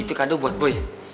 itu kado buat boy